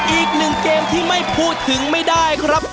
อีกหนึ่งเกมที่ไม่พูดถึงไม่ได้ครับ